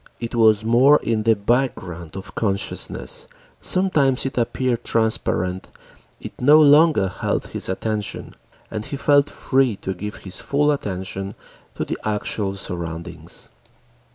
It was more in the background of consciousness, sometimes it appeared transparent, it no longer held his attention, and he felt free to give his full attention to the actual surroundings.